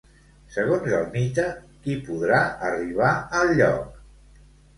Segons el mite, qui podrà arribar al lloc?